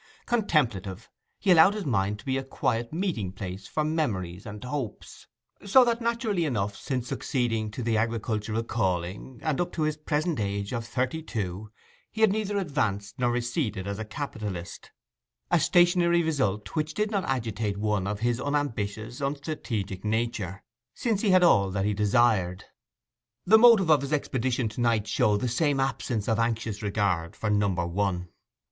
Contemplative, he allowed his mind to be a quiet meeting place for memories and hopes. So that, naturally enough, since succeeding to the agricultural calling, and up to his present age of thirty two, he had neither advanced nor receded as a capitalist—a stationary result which did not agitate one of his unambitious, unstrategic nature, since he had all that he desired. The motive of his expedition to night showed the same absence of anxious regard for Number One.